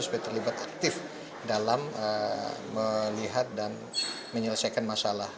supaya terlibat aktif dalam melihat dan menyelesaikan masalah